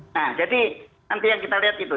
nah jadi nanti yang kita lihat itu